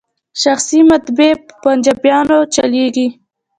شخصي مطبعې په پنجابیانو چلیږي.